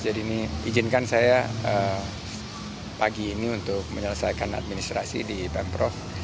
jadi ini izinkan saya pagi ini untuk menyelesaikan administrasi di pemprov